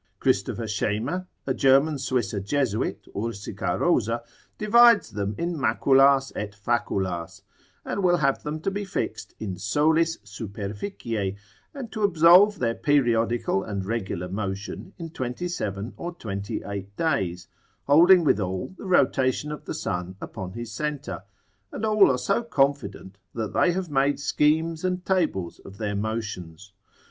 Christopher Shemer, a German Suisser Jesuit, Ursica Rosa, divides them in maculas et faculas, and will have them to be fixed in Solis superficie: and to absolve their periodical and regular motion in twenty seven or twenty eight days, holding withal the rotation of the sun upon his centre; and all are so confident, that they have made schemes and tables of their motions.